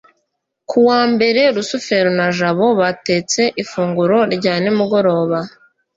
ku wa mbere, rusufero na jabo batetse ifunguro rya nimugoroba